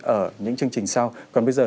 ở những chương trình sau còn bây giờ